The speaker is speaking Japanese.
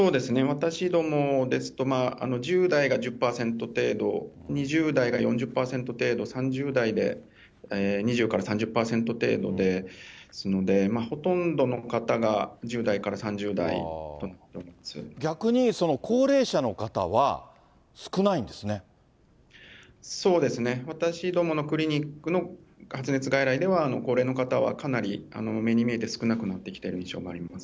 私どもですと、１０代が１０％程度、２０代が４０％程度、３０代で２０から３０％程度ですので、ほとんどの方が１０代から逆に高齢者の方は、少ないんそうですね、私どものクリニックの発熱外来では、高齢の方はかなり目に見えて少なくなってきている印象があります。